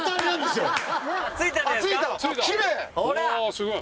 すごい。